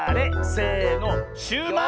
せのシューマイ！